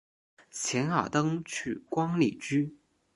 钱尔登去官里居。